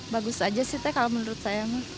bagus aja sih teh kalau menurut saya